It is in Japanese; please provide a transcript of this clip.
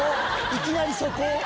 いきなりそこ？